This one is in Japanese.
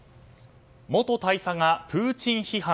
元大佐がプーチン批判。